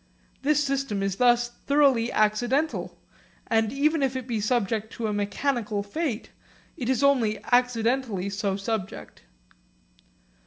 This system is thus thoroughly accidental; and, even if it be subject to a mechanical fate, it is only accidentally so subject.